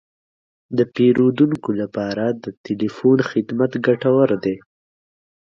د پیرودونکو لپاره د تلیفون خدمت ګټور دی.